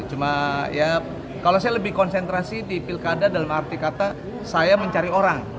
cuma ya kalau saya lebih konsentrasi di pilkada dalam arti kata saya mencari orang